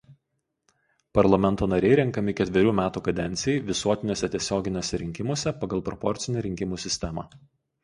Parlamento nariai renkami ketverių metų kadencijai visuotiniuose tiesioginiuose rinkimuose pagal proporcinę rinkimų sistemą.